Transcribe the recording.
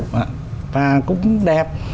và cũng đẹp